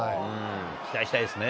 期待したいですね。